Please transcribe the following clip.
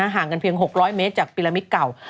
ห่างกันเพียง๖๐๐เมตรจากปีละมิตรเก่า